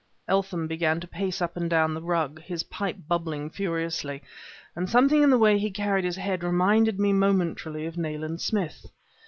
Eltham began to pace up and down the rug, his pipe bubbling furiously; and something in the way he carried his head reminded me momentarily of Nayland Smith.